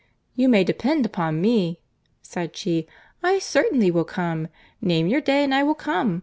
"You may depend upon me," said she. "I certainly will come. Name your day, and I will come.